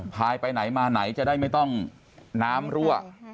พายไปไหนมาไหนจะได้ไม่ต้องน้ำรั่ว